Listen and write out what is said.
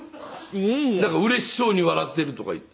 「うれしそうに笑っている」とか言って。